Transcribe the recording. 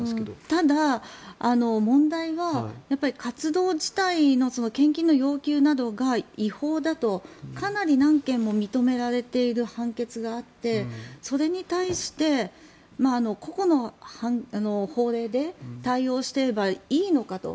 ただ、問題は活動自体の献金の要求などが違法だと、かなり何件も認められている判決があってそれに対して、個々の法令で対応していればいいのかと。